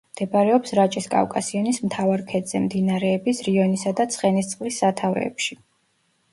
მდებარეობს რაჭის კავკასიონის მთავარ ქედზე, მდინარეების რიონისა და ცხენისწყლის სათავეებში.